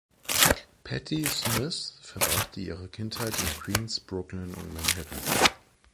Patty Smyth verbrachte ihre Kindheit in Queens, Brooklyn und Manhattan.